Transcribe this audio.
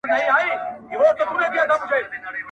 كــــه مــي ازار يـــو ځــــلــــي ووهــــــــلـــــــې.